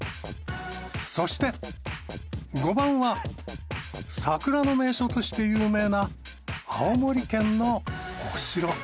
そして５番は桜の名所として有名な青森県のお城。